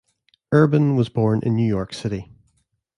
Erben was born in New York City.